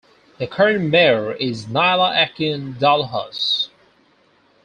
The current Mayor is Nyla Akin Dalhaus.